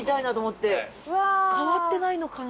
変わってないのかな？